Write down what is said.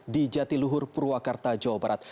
di jatiluhur purwakarta jawa barat